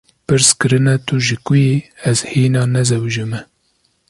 Pirs kirine tu ji ku yî, ‘ez hîna nezewujime’